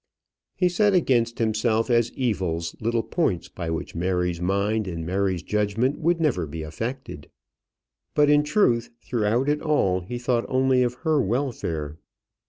He set against himself as evils little points by which Mary's mind and Mary's judgment would never be affected. But in truth throughout it all he thought only of her welfare.